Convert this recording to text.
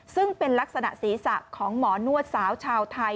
ซึ่งเป็นลักษณะศีรษะของหมอนวดสาวชาวไทย